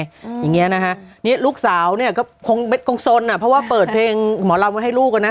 อย่างเงี้ยนะฮะเนี้ยลูกสาวเนี้ยก็คงสนอ่ะเพราะว่าเปิดเพลงหมอลำไว้ให้ลูกอ่ะนะ